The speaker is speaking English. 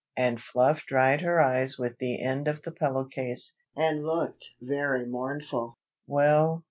And Fluff dried her eyes with the end of the pillow case, and looked very mournful. "Well!